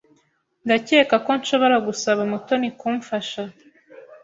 Ndakeka ko nshobora gusaba Mutoni kumfasha.